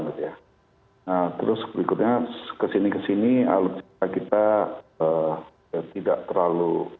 nah terus berikutnya kesini kesini alutsista kita tidak terlalu